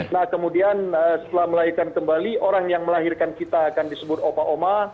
nah kemudian setelah melahirkan kembali orang yang melahirkan kita akan disebut oba oma